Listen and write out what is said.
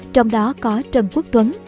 trong đó có trần quốc tuấn